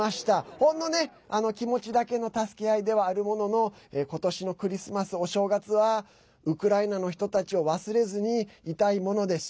ほんの気持ちだけの助け合いではあるものの今年のクリスマス、お正月はウクライナの人たちを忘れずにいたいものです。